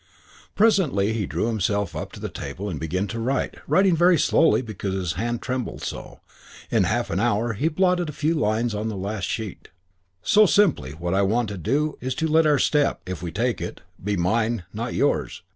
Presently he drew himself up to the table and began to write, writing very slowly because his hand trembled so. In half an hour he blotted the few lines on the last sheet: "...So, simply what I want to do is to let our step if we take it be mine, not yours.